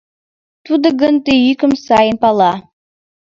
Тудо гын ты йӱкым сайын пала.